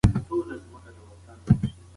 دا د کامیابۍ هغه لاره ده چې دین موږ ته ښودلې.